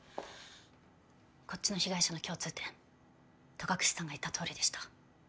こっちの被害者の共通点戸隠さんが言った通りでした。